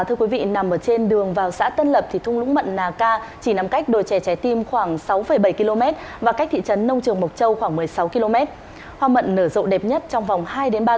thưa quý vị nằm trên đường vào xã tân lập thì thung lũng mận nà ca chỉ nằm cách đồi trẻ trẻ tim khoảng sáu bảy km và cách thị trấn nông trường mộc châu khoảng một mươi sáu km